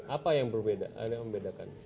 apa yang membedakan